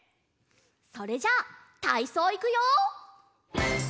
それじゃたいそういくよ！